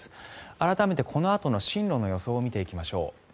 改めてこのあとの進路の予想を見ていきましょう。